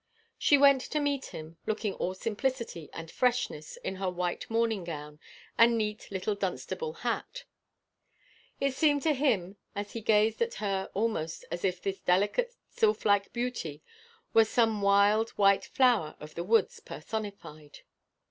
She went to meet him, looking all simplicity and freshness in her white morning gown and neat little Dunstable hat. It seemed to him as he gazed at her almost as if this delicate, sylph like beauty were some wild white flower of the woods personified.